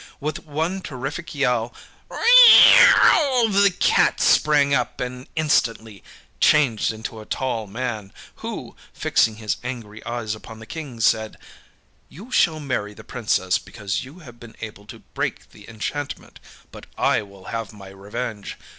With one terrific yell the cat sprang up and instantly changed into a tall man, who, fixing his angry eyes upon the King, said: âYou shall marry the Princess because you have been able to break the enchantment, but I will have my revenge.